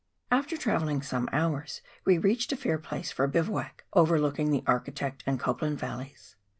After travelling some hours we reached a fair place for a bivouac, overlooking the Architect and Copland Y alleys.